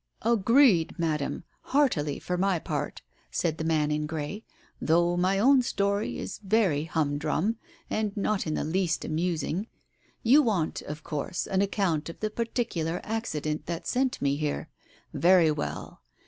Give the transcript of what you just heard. "Agreed, Madam, heartily for my part," said the man in grey, "though my own story is very humdrum, and not in the least amusing. You want, of course, an account of the particular accident that sent me here. Very well